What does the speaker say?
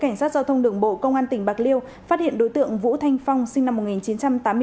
cảnh sát giao thông đường bộ công an tỉnh bạc liêu phát hiện đối tượng vũ thanh phong sinh năm một nghìn chín trăm tám mươi bốn